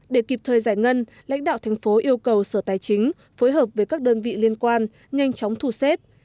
để kịp thời giải ngân lãnh đạo tp yêu cầu sở tài chính phối hợp với các đơn vị liên quan nhanh chóng thu xếp